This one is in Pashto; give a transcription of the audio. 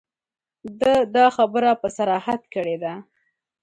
ده دا خبره په صراحت کړې ده.